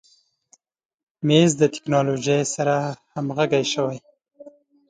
مېز د تکنالوژۍ سره همغږی شوی.